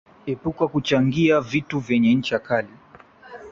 epuka kuchangia vitu vyenye ncha kali